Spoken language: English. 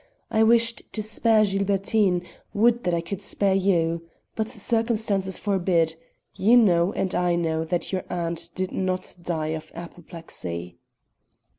I wished to spare Gilbertine; would that I could spare you. But circumstances forbid. You know and I know that your aunt did not die of apoplexy."